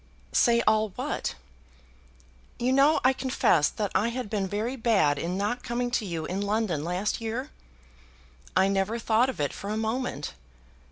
"Say all what?" "You know I confessed that I had been very bad in not coming to you in London last year." "I never thought of it for a moment."